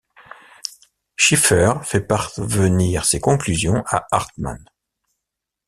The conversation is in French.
Sheaffer fait parvenir ses conclusions à Hartmann.